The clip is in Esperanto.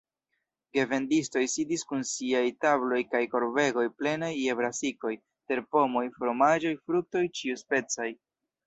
Gevendistoj sidis kun siaj tabloj kaj korbegoj plenaj je brasikoj, terpomoj, fromaĝoj, fruktoj ĉiuspecaj.